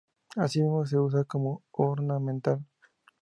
Asimismo se usa como ornamental.